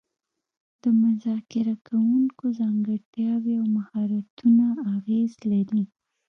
د مذاکره کوونکو ځانګړتیاوې او مهارتونه اغیز لري